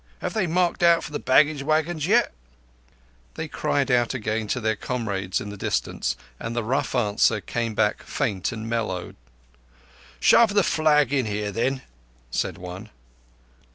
Have they marked out for the baggage wagons behind?" They cried again to their comrades in the distance, and the rough answer came back faint and mellowed. "Shove the flag in here, then," said one.